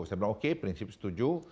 saya bilang oke prinsip setuju